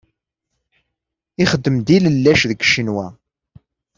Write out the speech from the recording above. Ixeddem-d ilellac deg Ccinwa.